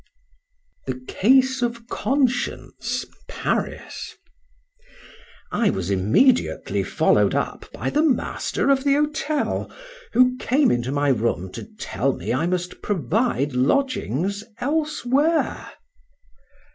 THE CASE OF CONSCIENCE. PARIS. I WAS immediately followed up by the master of the hotel, who came into my room to tell me I must provide lodgings elsewhere.